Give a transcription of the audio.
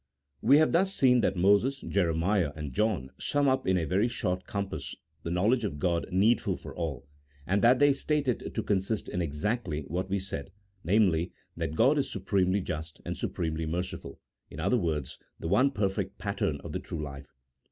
We have thus seen that Moses, Jeremiah, and John sum up in a very short compass the knowledge of God needful for all, and that they state it to consist in exactly what we said, namely, that God is supremely just, and supremely merciful — in other words, the one perfect pattern of the true life.